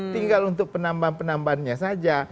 tinggal untuk penambahan penambahannya saja